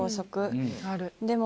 でも。